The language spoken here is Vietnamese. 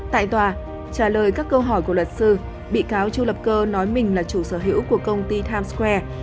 tại tòa trả lời các câu hỏi của luật sư bị cáo chu lập cơ nói mình là chủ sở hữu của công ty times square